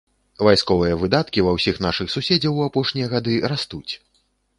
Вайсковыя выдаткі ва ўсіх нашых суседзяў у апошнія гады растуць.